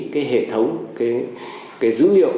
cái hệ thống cái dữ liệu